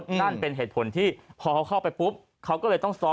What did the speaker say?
นั่นเป็นเหตุผลที่พอเขาเข้าไปปุ๊บเขาก็เลยต้องซ้อม